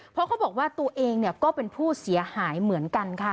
เพราะเขาบอกว่าตัวเองก็เป็นผู้เสียหายเหมือนกันค่ะ